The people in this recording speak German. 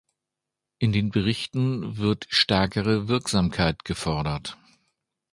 In den Berichten wird stärkere Wirksamkeit gefordert.